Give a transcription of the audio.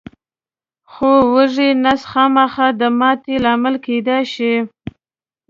خو وږی نس خامخا د ماتې لامل کېدای شي.